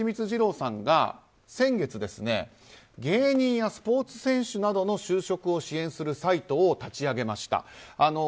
二郎さんが先月、芸人やスポーツ選手などの就職を支援するサイトを立ち上げました。